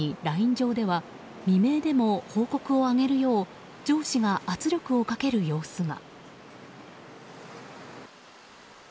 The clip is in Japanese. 上では未明でも報告を上げるよう上司が圧力をかける様子が。